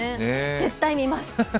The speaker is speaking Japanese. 絶対見ます！